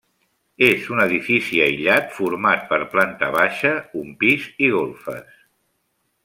És un edifici aïllat, format per planta baixa, un pis i golfes.